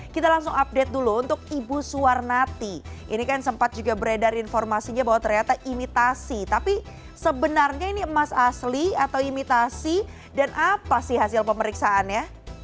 kita langsung update dulu untuk ibu suwarnati ini kan sempat juga beredar informasinya bahwa ternyata imitasi tapi sebenarnya ini emas asli atau imitasi dan apa sih hasil pemeriksaannya